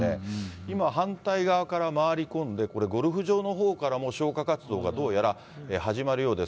今、反対側から回り込んで、これ、ゴルフ場のほうからも消火活動がどうやら始まるようです。